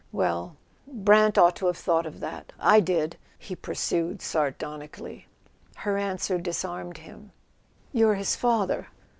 "Well—Brant ought to have thought of that —I did," he pursued sardonically. Her answer disarmed him. "You're his father."